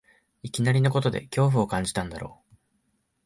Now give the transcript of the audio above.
いきなりのことで恐怖を感じたんだろう